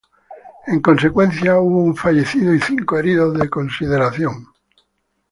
En consecuencia, hubo un fallecido y cinco heridos de consideración.